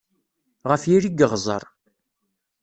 Ɣef yiri n yeɣẓeṛ.